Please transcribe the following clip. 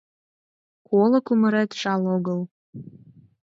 Коло кумырет жал огыл